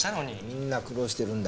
みんな苦労してるんだ。